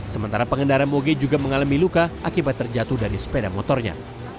sementara pengendara moge juga mengalami luka akibat terjatuh dari sepeda motornya